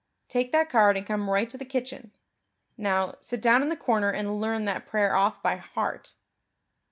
Take that card and come right to the kitchen. Now, sit down in the corner and learn that prayer off by heart."